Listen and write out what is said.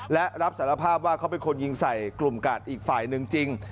และรับสารภาพว่าเขาเป็นคนยิงใส่กลุ่มกาดอีกฝ่ายหนึ่งจริง